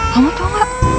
kamu tahu tidak